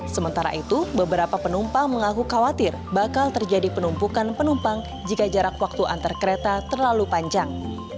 sementara itu beberapa penumpang mengaku khawatir bakal terjadi penumpukan penumpang jika jarak waktu antar kereta terlalu panjang